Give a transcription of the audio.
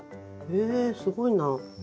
へえすごいな。